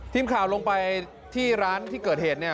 ทีมข่าวลงไปที่ร้านที่เกิดเหตุเนี่ย